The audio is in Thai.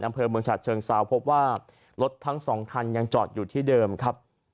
อำเภอเมืองฉะเชิงเซาพบว่ารถทั้งสองคันยังจอดอยู่ที่เดิมครับ